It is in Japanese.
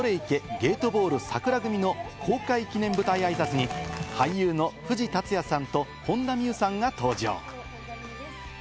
ゲートボールさくら組』の公開記念舞台挨拶に俳優の藤竜也さんと本田望結さんが登場。